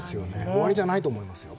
終わりじゃないと思いますよ。